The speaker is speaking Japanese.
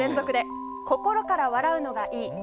心から笑うのがいい。